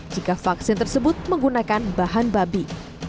jika vaksin tersebut menggunakan bahan babi